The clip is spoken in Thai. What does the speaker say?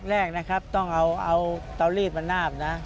แรกนะครับต้องเอาเตาลีดมานาบนะ